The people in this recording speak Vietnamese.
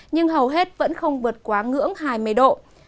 nhưng hầu hết vẫn không vượt quá ngưỡng hai mươi độ